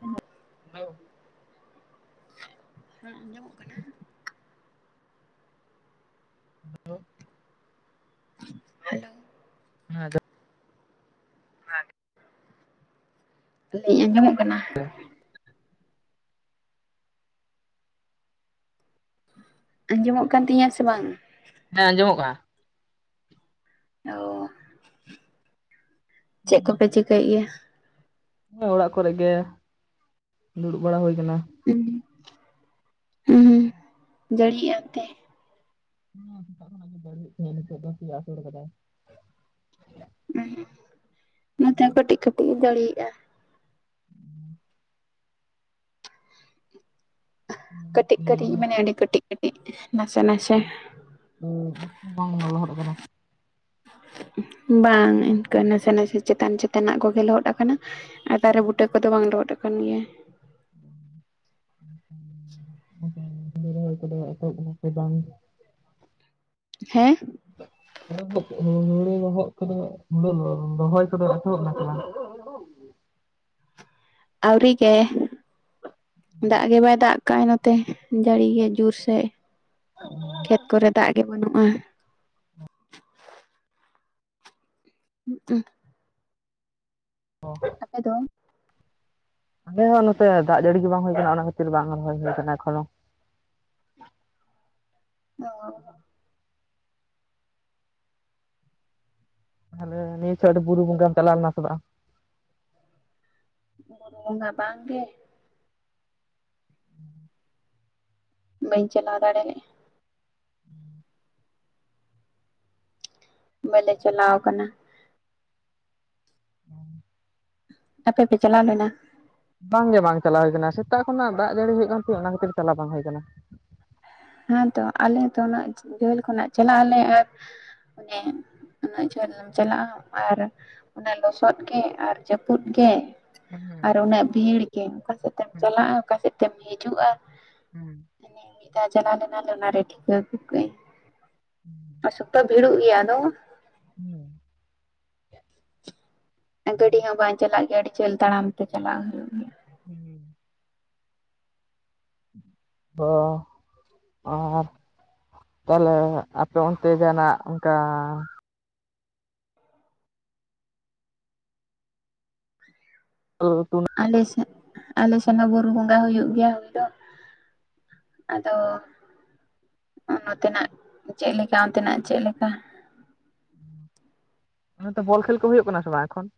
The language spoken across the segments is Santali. ᱦᱮᱜ [unintelligible] ᱵᱟᱝ ᱡᱚᱢᱚᱜ ᱠᱟᱱᱟᱜ [unintelligible] ᱦᱮᱞᱳ ᱦᱮᱸ ᱟᱫᱚ ᱞᱟᱹᱭ ᱤᱧ ᱟᱸᱡᱚᱢᱚᱼᱜ ᱠᱟᱱᱟ [inaudible] ᱟᱡᱚᱢᱚᱜ ᱠᱟᱱ ᱛᱤᱧᱟᱹ ᱥᱮ ᱵᱟᱝ᱾ ᱦᱮᱸ ᱟᱸᱡᱚᱢᱚᱜᱼᱟ ᱾ ᱳᱦᱸᱻ ᱪᱮᱫ ᱠᱚᱯᱮ ᱪᱤᱠᱟᱹᱭᱮᱫ ᱜᱮᱭᱟ? ᱱᱚᱳᱭ ᱚᱲᱟᱜ ᱠᱚᱨᱮ ᱜᱮ ᱫᱩᱲᱩᱵ ᱵᱟᱲᱟ ᱦᱩᱭ ᱠᱟᱱᱟ᱾ [unintelligible] ᱦᱩᱸ ᱦᱩᱸ ᱡᱟᱹᱲᱤᱭᱟ ᱚᱛᱛᱮ ᱦᱮ ᱥᱮᱛᱟᱜ ᱠᱷᱚᱱᱟᱜ ᱡᱟᱲᱤ ᱮᱫ ᱛᱟᱦᱮᱱ ᱱᱤᱛᱳ ᱫᱚ ᱠᱟ. ᱡ ᱟᱥᱳᱲ ᱟᱠᱟᱫᱟᱭ᱾ ᱚ,, ᱱᱟᱛᱮ ᱠᱟᱹᱴᱤᱡ ᱠᱟᱹᱴᱤᱡ ᱫᱟᱲᱮᱭᱟᱜᱼᱟ᱾ ᱠᱟᱹᱴᱤᱡ ᱠᱟᱹᱴᱤᱡ ᱢᱟᱱᱮ ᱟ. ᱰᱤ ᱠᱟᱹᱴᱤᱡ ᱠᱟᱹᱴᱤᱡ ᱱᱟᱥᱮ ᱱᱟᱥᱮ [unintelligible] ᱵᱟᱝ ᱞᱚᱦᱚᱫ ᱟᱠᱟᱱᱟ ᱦ [unintelligible] ᱵᱟᱝ ᱤᱱᱠᱟᱹ ᱱᱟᱥᱮ ᱼ ᱱᱟᱥᱮ ᱪᱮᱛᱟᱱ ᱪᱮᱛᱱᱟᱼᱜ ᱠᱚ ᱜᱮ ᱞᱚᱦᱚᱫ ᱟᱠᱟᱱᱟ ᱟᱨ ᱫᱟᱨᱮ ᱵᱩᱴᱟᱹ ᱠᱚᱫᱚ ᱵᱟᱝ ᱞᱚᱦᱚᱫ ᱟᱠᱟᱱ ᱜᱮᱭᱟ ᱜᱚᱢᱠᱮ ᱨᱚᱦᱚᱭ ᱠᱚᱫᱚ ᱮᱛᱚᱦᱚᱵ ᱠᱟᱱᱟ ᱥᱮ ᱵᱟᱝ? ᱦᱮᱸᱻ ᱦᱚᱨᱚ ᱫᱚᱠ ᱦᱚᱲᱚ ᱨᱚᱦᱚᱜ ᱠᱚᱫᱚᱹᱜ ᱵᱟᱱᱩᱜᱟ ᱨᱚᱦᱚᱭ ᱠᱚᱫᱚ ᱮᱛᱚᱦᱚᱵ ᱱᱟ ᱥᱮ ᱵᱟᱝ [unintelligible] ᱟᱣᱨᱤ ᱜᱮ ᱫᱟᱜ ᱜᱮ ᱵᱟᱭ ᱫᱟᱜ ᱠᱟᱭ ᱱᱚᱛᱮ ᱡᱟᱹᱲᱤ ᱜᱮ ᱡᱳᱨ ᱥᱮᱮᱫ ᱠᱷᱮᱛ ᱠᱚᱨᱮ ᱫᱟᱜ ᱜᱮ ᱵᱟᱹᱱᱩᱜᱼᱟ ᱦᱩᱜ ᱩ [unintelligible] ᱟᱯᱮ ᱫᱚ? ᱟᱞᱮ ᱦᱚᱸ ᱱᱚᱛᱮ ᱫᱟᱜ ᱡᱟᱹᱲᱤ ᱜᱮ ᱵᱟᱝ ᱦᱩᱭ ᱟᱠᱟᱱᱟ, ᱚᱱᱟ ᱠᱷᱟᱹᱛᱤᱨ ᱵᱟᱝ ᱨᱚᱦᱚᱭ ᱦᱩᱭ ᱟᱠᱟᱱᱟ ᱮᱠᱷᱚᱱᱳ [unintelligible] ᱛᱟᱦᱚᱞᱮ ᱱᱤᱭᱟᱹ ᱪᱷᱚᱴ ᱵᱩᱨᱩ ᱵᱚᱸᱜᱟᱢ ᱪᱟᱞᱟᱣ ᱞᱮᱱᱟ ᱥᱮ ᱵᱟᱝ᱾ ᱵᱩᱨᱩ ᱵᱚᱸᱜᱟ ᱵᱟᱝ ᱜᱮ [inaudible] ᱵᱟ. ᱧ ᱪᱟᱞᱟᱜ ᱫᱟᱲᱞᱮᱼᱟ ᱦᱮᱸ [unintelligible] ᱵᱟᱞᱮ ᱪᱟᱞᱟᱣ ᱠᱟᱱᱟ ᱦ [unintelligible] ᱟᱯᱮ ᱯᱮ ᱪᱟᱞᱟᱣ ᱞᱮᱱᱟ᱾ ᱵᱟᱝᱜᱮ ᱵᱟᱝ ᱪᱟᱞᱟᱣ ᱦᱳᱭ ᱠᱟᱱᱟ, ᱥᱮᱛᱟᱜ ᱠᱷᱚᱱᱟᱜ ᱫᱟᱜ ᱡᱟᱹᱲᱤ ᱦᱩᱭᱩᱜ ᱠᱟᱱ ᱛᱟᱦᱮᱸ ᱚᱱᱟ ᱠᱷᱟᱹᱛᱤᱨ ᱪᱟᱞᱟᱣ ᱵᱟᱝ ᱦᱳᱭ ᱠᱟᱱᱟ᱾ ᱦᱮᱸᱛᱚ ᱟᱞᱮ ᱦᱚᱸᱛᱚ ᱩᱱᱟ. ᱜ ᱡᱷᱟᱹᱞ ᱠᱷᱚᱱᱟᱼᱜ ᱪᱟᱞᱟᱜ ᱟᱞᱮ ᱟᱨ ᱚᱱᱮ ᱩᱱᱟᱹᱜ ᱡᱷᱟᱹᱞᱮᱢ ᱪᱟᱞᱟᱜᱼᱟ ᱟᱨ ᱚᱱᱟ ᱞᱚᱥᱚᱫ ᱜᱮ, ᱟᱨ ᱡᱟᱹᱯᱩᱫ ᱜᱮ ᱦᱮᱸ ᱦᱮᱸ ᱟᱨ ᱩᱱᱟᱹᱜ ᱵᱷᱤᱲ ᱜᱮ, ᱚᱠᱟ ᱥᱮᱫᱛᱮᱢ ᱪᱟᱞᱟᱜᱼᱟ, ᱚᱠᱟ ᱥᱮᱫᱛᱮᱢ ᱦᱤᱡᱩᱜᱼᱟ᱾ ᱦᱩᱸᱻᱦᱩᱸᱻ ᱦᱮᱸ ᱪᱟᱞᱟᱣ ᱞᱮᱱᱟ ᱞᱮ ᱚᱱᱟᱨᱮ ᱴᱷᱤᱠᱟᱹ ᱟᱜᱩ ᱠᱟᱹᱟᱹᱧ ᱦᱩᱸ ᱥᱚᱠᱛᱚ ᱵᱷᱤᱲᱚᱜ ᱜᱮᱭᱟ ᱟᱫᱚ ᱦᱩᱢ [unintelligible] ᱮᱻ ᱜᱟᱹᱰᱤ ᱦᱚᱸ ᱵᱟᱝ ᱪᱟᱞᱟᱼᱜ ᱜᱮᱭᱟ ᱟᱹᱰᱤ ᱡᱷᱟᱹᱞ ᱛᱟᱲᱟᱢ ᱛᱮ ᱪᱟᱞᱟᱣ ᱦᱳᱭᱳᱜ ᱜᱮᱭᱟᱼᱼᱼ ᱦᱩᱸ ᱚ, ᱟᱨ ᱛᱟᱦᱞᱮ ᱟᱯᱮ ᱚᱱᱛᱮ ᱱᱟᱜ ᱚᱝᱠᱟ [inaudible] [unintelligible] ᱟᱞᱮ ᱥᱮᱫ ᱟᱞᱮ ᱥᱮᱱ ᱦᱚᱸ ᱵᱩᱨᱩ ᱵᱚᱸᱜᱟ ᱦᱩᱭᱩᱜ ᱜᱮᱭᱟ ᱦᱩᱭ ᱫᱚ᱾ ᱟᱫᱚ ᱱᱚᱛᱮᱱᱟᱜ ᱪᱮᱫ ᱞᱮᱠᱟ ᱚᱱᱛᱮᱱᱟᱜ ᱪᱮᱫ ᱞᱮᱠᱟ? ᱦᱩᱸ, ᱚᱱᱛᱮ ᱵᱚᱞ ᱠᱷᱹᱮᱞ ᱠᱚ ᱦᱩᱭᱩᱜ ᱠᱟᱱᱟ ᱥᱮ ᱵᱟᱝ ᱮᱠᱷᱚᱱ?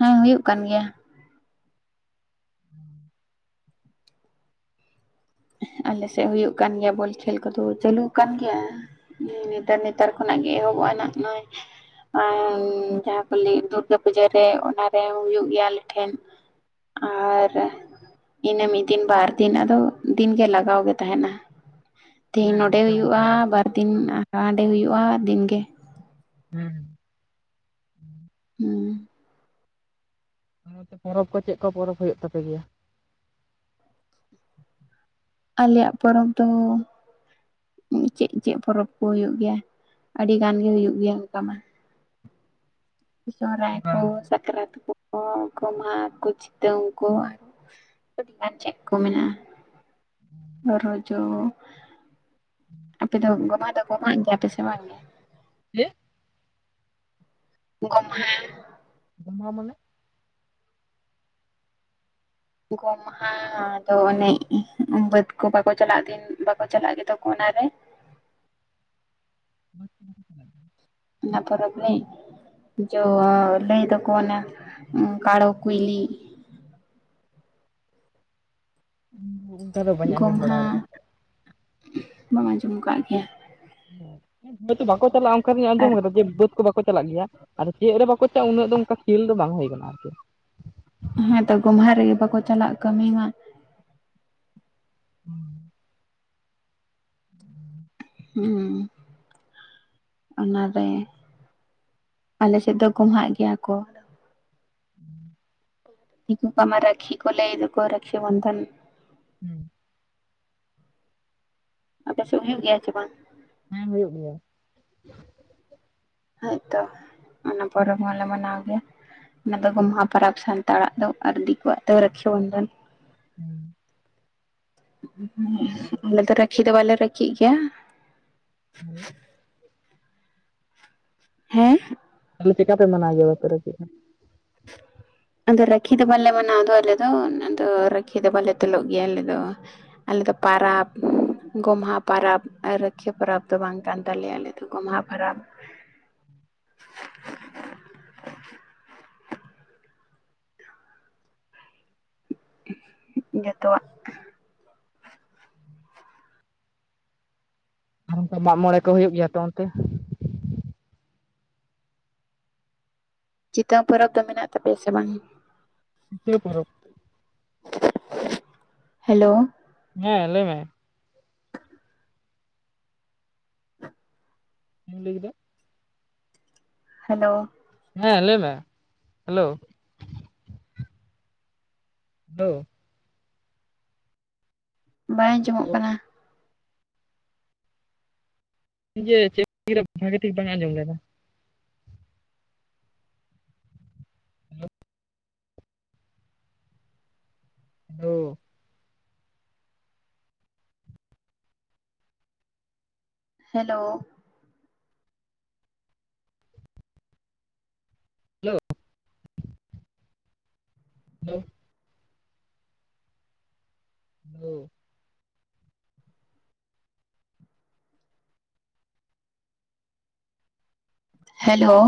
ᱦᱮᱸ ᱦᱩᱭᱩᱜ ᱠᱟᱱ ᱜᱮᱭᱟ᱾ ᱦᱩᱸ᱾ ᱟᱞᱮᱥᱮᱫ ᱦᱩᱭᱩᱜ ᱠᱟᱱ ᱜᱮᱭᱟ ᱵᱚᱞ ᱠᱷᱮᱹᱞ ᱠᱚᱫᱚ ᱪᱟᱹᱟᱞᱩ ᱟᱠᱟᱱ ᱜᱮᱭᱟ᱾ ᱦᱩᱸ ᱱᱮᱛᱟᱨ ᱱᱮᱛᱟᱨ ᱠᱷᱚᱱᱟᱜ ᱜᱮ ᱮᱦᱚᱵᱚᱜᱼᱟ ᱱᱟᱜ ᱱᱚᱜ-ᱚᱭ ᱟᱨ ᱡᱟᱦᱟᱸ ᱠᱚ ᱞᱟᱹᱭᱮᱫ ᱫᱩᱨᱜᱟᱹ ᱯᱩᱡᱟᱹᱨᱮ ᱚᱱᱟᱨᱮ ᱦᱩᱭᱩᱜ ᱜᱮᱭᱟ ᱟᱞᱮ ᱴᱷᱮᱱ᱾ ᱟᱨ ᱤᱱᱟᱹ ᱢᱤᱫ ᱫᱤᱱ ᱵᱟᱨ ᱫᱤᱱ ᱟᱫᱚ ᱫᱤᱱᱜ ᱜᱮ ᱞᱟᱜᱟᱣ ᱜᱮ ᱛᱟᱦᱮᱱᱟ ᱛᱤᱦᱤᱧ ᱦᱮᱸ ᱱᱚᱸᱰᱮ ᱱᱚᱛᱮ ᱦᱩᱭᱩᱜᱼᱟ ᱚᱱᱠᱟ ᱜᱮ ᱟᱵᱟᱨ ᱫᱤᱱ ᱦᱟᱸᱰᱮ ᱦᱩᱭᱩᱜᱼᱟ ᱫᱤᱱᱜᱮ᱾ ᱦᱩᱸ᱾ ᱦᱩᱸ᱾ ᱚᱱᱟᱛᱮ ᱯᱚᱨᱚᱵᱽ ᱠᱚ ᱪᱮᱫ ᱠᱚ ᱯᱚᱨᱚᱵᱽ ᱦᱩᱭᱩᱜ ᱛᱟᱯᱮ ᱜᱮᱭᱟ? ᱟᱞᱮᱭᱟᱜ ᱯᱚᱨᱚᱵᱽ ᱫᱚ ᱪᱮᱫ ᱪᱮᱫ ᱯᱚᱨᱚᱵᱽ ᱠᱚ ᱦᱩᱭᱩᱜ ᱜᱮᱭᱟ ᱟᱹᱰᱤ ᱜᱟᱱ ᱜᱮ ᱦᱩᱭᱩᱜ ᱜᱮᱭᱟ ᱚᱝᱠᱟ ᱢᱟ ᱥᱚᱦᱨᱟᱭ ᱚᱱᱠᱟ ᱠᱚ, ᱥᱟᱠᱨᱟᱛ ᱠᱚ, ᱜᱚᱢᱦᱟ ᱠᱚ, ᱪᱤᱛᱟᱹᱝ ᱠᱚ, ᱟᱨᱚ ᱟᱹᱰᱤᱜᱟᱱ ᱪᱮᱫ ᱠᱚ ᱢᱮᱱᱟᱜᱼᱟ ᱨᱚᱡᱚ ᱟᱯᱮ ᱫᱚ ᱜᱚᱢᱦᱟ ᱫᱚ ᱜᱚᱢᱦᱟᱜ ᱜᱮᱟ ᱯᱮ ᱥᱮ ᱵᱟᱝ ᱜᱮ? ᱪᱮᱜ? ᱜᱚᱢᱦᱟ ᱜᱚᱢᱦᱟ ᱢᱟᱱᱮ? ᱜᱚᱢ ᱦᱟ ᱫᱚ ᱚᱱᱮ ᱵᱟᱹᱫᱽ ᱠᱚ ᱵᱟᱠᱚ ᱪᱟᱞᱟᱜ ᱫᱤᱱ ᱵᱟᱠᱚ ᱪᱟᱞᱟᱜ ᱜᱮᱫᱚ ᱠᱚ ᱚᱱᱟᱨᱮ᱾ [unintelligible] ᱚᱱᱟ ᱯᱚᱨᱚᱵᱽᱨᱮ᱾ ᱡᱚ ᱞᱟᱹᱭ ᱫᱚᱠᱚ ᱚᱱᱮ ᱠᱟᱲᱚ ᱠᱩᱭᱞᱤ [unintelligible] ᱟᱸᱡᱚᱢ ᱵᱟᱲᱟ ᱜᱚᱢᱦᱟ ᱟᱠᱟᱫᱟ ᱵᱟᱢ ᱟᱸᱡᱚᱢ ᱠᱟᱜ ᱜᱮᱭᱟ? [unintelligible] ᱵᱟᱠᱚ ᱪᱟᱞᱟᱜ-ᱟ ᱚᱝᱠᱟ ᱫᱩᱧ ᱟᱸᱡᱚᱢ ᱟᱨ ᱠᱟᱫᱟ ᱡᱮ ᱵᱟᱹᱛ ᱵᱟᱠᱚ ᱪᱟᱞᱟᱜ ᱜᱮᱭᱟ ᱟᱫᱚ ᱪᱮᱫ ᱨᱮ ᱵᱟᱠᱚ ᱪᱟᱞᱟᱜᱼᱟ ᱩᱱᱟᱹᱜ ᱫᱚ ᱚᱝᱠᱟ ᱠᱷᱮᱹᱞ ᱫᱚ ᱵᱟᱝ ᱦᱩᱭ ᱠᱟᱱᱟ ᱟᱨᱠᱤ᱾ ᱦᱮᱸᱛᱚ ᱜᱚᱢᱦᱟ ᱨᱮᱜᱮ ᱵᱟᱠᱚ ᱪᱟᱞᱟᱜ ᱠᱟᱹᱢᱤ ᱢᱟ᱾ ᱦᱩᱸ᱾ ᱦᱩᱸ᱾ ᱚᱱᱟᱨᱮ ᱟᱞᱮᱥᱮᱫ ᱫᱚ ᱜᱚᱢᱦᱟᱜ ᱜᱮᱭᱟ ᱠᱚ᱾ ᱦᱩᱸ᱾ ᱫᱤᱠᱩ ᱠᱚᱢᱟ ᱨᱟᱹᱠᱷᱤ ᱠᱚ ᱞᱟᱹᱭ ᱫᱚᱠᱚ ᱨᱟᱹᱠᱷᱤ ᱵᱚᱱᱫᱷᱚᱱ᱾ ᱦᱩᱸ᱾ ᱟᱯᱮ ᱥᱮᱜ ᱦᱩᱭᱩᱜ ᱜᱮᱭᱟ ᱥᱮ ᱵᱟᱝ? ᱦᱮᱸ ᱦᱩᱭᱩᱜ ᱜᱮᱭᱟ᱾ ᱦᱳᱭᱛᱚ ᱚᱱᱟ ᱯᱚᱨᱚᱵᱽ ᱦᱚᱸᱞᱮ ᱢᱟᱱᱟᱣ ᱜᱮᱭᱟ, ᱚᱱᱟᱫᱚ ᱜᱚᱢᱦᱟ ᱯᱟᱨᱟᱵᱽ ᱥᱟᱶ ᱯᱟᱲᱟᱜ ᱫᱚ ᱟᱨ ᱫᱤᱠᱚᱣᱟᱜ ᱫᱚ ᱨᱟᱹᱠᱷᱤ ᱵᱚᱱᱷᱚᱱ᱾ ᱦᱩᱸ᱾ [unintelligible] ᱟᱞᱮ ᱫᱚ ᱨᱟᱹᱠᱷᱤ ᱫᱚ ᱵᱟᱞᱮ ᱨᱟᱹᱠᱷᱤᱜ ᱜᱮᱭᱟ, [unintelligible] ᱦᱮᱸᱜ [unintelligible] ᱪᱮᱠᱟᱯᱮ ᱢᱟᱱᱟ ᱜᱮᱭᱟ [unintelligible] ᱟᱫᱚ ᱨᱟᱹᱠᱷᱤ ᱫᱚ ᱵᱟᱞᱮ ᱢᱟᱱᱟᱣ ᱫᱚ ᱟᱞᱮ ᱫᱚ ᱟᱫᱚ ᱨᱟᱹᱠᱷᱤ ᱫᱚ ᱵᱟᱞᱮ ᱛᱩᱞᱚᱜ ᱜᱮᱭᱟ ᱟᱞᱮ ᱫᱚ, ᱟᱞᱮᱫᱚ ᱯᱟᱨᱟᱵᱽ ᱜᱚᱢᱦᱟ ᱯᱟᱨᱟᱵᱽ ᱨᱟᱹᱠᱷᱤᱭᱟᱹ ᱯᱟᱨᱟᱵᱽ ᱫᱚ ᱵᱟᱝ ᱠᱟᱱ ᱛᱟᱞᱮᱭᱟ ᱟᱞᱮ ᱜᱚᱢᱦᱟ ᱯᱟᱨᱟᱵᱽ ᱡᱷᱚᱛᱚᱣᱟᱜ ᱟᱨ ᱚᱱᱠᱟ ᱢᱟᱜ ᱢᱚᱬᱮ ᱠᱚ ᱦᱩᱭᱩᱜ ᱜᱮᱭᱟ ᱛᱚ ᱚᱱᱛᱮ? ᱪᱤᱛᱚᱝ ᱯᱚᱨᱚᱵᱽ ᱫᱚ ᱢᱮᱱᱟᱜ ᱛᱟᱯᱮᱭᱟ ᱥᱮ ᱵᱟᱝ? [unintelligible] ᱯᱚᱨᱚᱵ ᱦᱮᱞᱳ᱾ ᱦᱮᱸ ᱞᱟᱹᱭ ᱢᱮ᱾ ᱪᱮᱢ ᱞᱟᱹᱭ ᱠᱮᱫᱟ? ᱦᱮᱞᱳ᱾ ᱦᱮᱸ ᱞᱟᱹᱭ ᱢᱮ, ᱦᱮᱞᱳ᱾ ᱦᱮᱞᱳ᱾ ᱵᱟᱭ ᱟᱸᱡᱚᱢᱚᱜ ᱠᱟᱱᱟ᱾ ᱡᱮ ᱪᱮᱫ [unintelligible] ᱵᱷᱟᱜᱮ ᱴᱷᱤᱠ ᱵᱟᱝ ᱟᱸᱡᱚᱢ ᱞᱮᱱᱟ᱾ Hello. Hello hello hello. Hello. Hello. Hello.